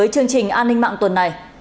chương trình an ninh mạng tuần này